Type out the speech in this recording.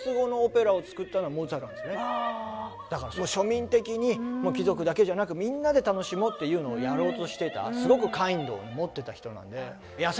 だからすごい庶民的に貴族だけじゃなくみんなで楽しもうっていうのをやろうとしていたすごくｋｉｎｄを持ってた人なので。